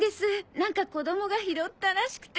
なんか子供が拾ったらしくて。